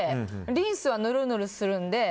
リンスはぬるぬるするんで。